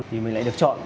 thì mình lại được chọn